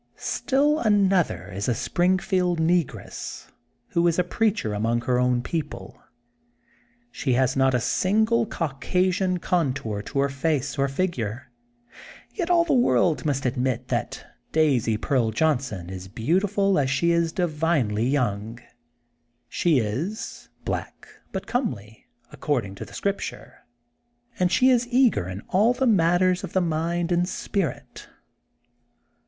Still another is a Springfield Negress who is a preacher among her own people. She has not a single Caucasian contour to her face or figure, yet all the world must admit that Daisy Pearl Johnson is beautiful as she is divinely young. She is ^* black but comely,*' according to the scripture. And she is eager in all the matters of the mind and spirit.